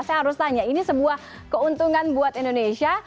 saya harus tanya ini sebuah keuntungan buat indonesia